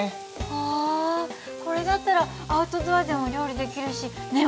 はあこれだったらアウトドアでも料理できるしねえ